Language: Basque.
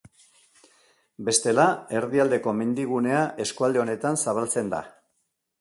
Bestela, Erdialdeko Mendigunea eskualde honetan zabaltzen da.